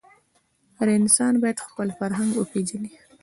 هر انسان باید خپل فرهنګ وپېژني.